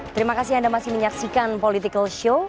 terima kasih anda masih menyaksikan political show